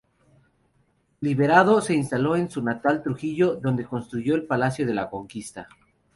Liberado, se instaló en su natal Trujillo, donde construyó el Palacio de la Conquista.